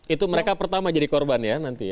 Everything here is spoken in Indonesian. itu mereka pertama jadi korban ya nanti ya